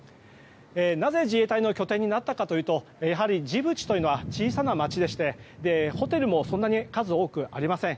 なぜ、自衛隊の拠点になったかというとやはりジブチというのは小さな街でしてホテルもそんなに数多くありません。